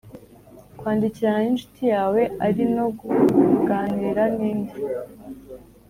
Kwandikirana n incuti yawe ari na ko uganira n indi.